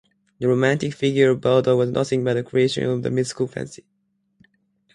The romantic figure of Balder was nothing but a creation of the mythical fancy.